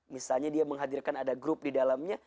misalnya dia menghadirkan ada grup di dalamnya